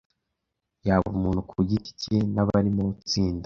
yaba umuntu ku giti cye, n’abari mu tsinda.